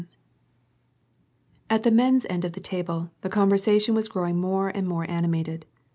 At the men's end of the table, the conversation was growing more and more animated.